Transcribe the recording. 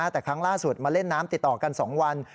แต่ครั้งล่าสุดมาเล่นน้ำติดต่อกัน๒วัน